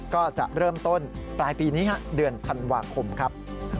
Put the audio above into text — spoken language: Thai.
ก็จะเริ่มต้นปลายปีนี้เดือนธันวาคมครับ